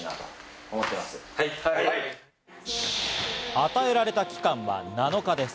与えられた期間は７日です。